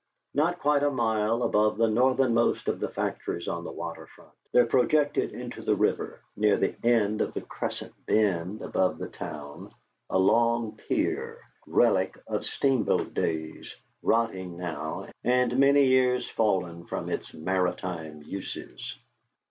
Not quite a mile above the northernmost of the factories on the water front, there projected into the river, near the end of the crescent bend above the town, a long pier, relic of steamboat days, rotting now, and many years fallen from its maritime uses.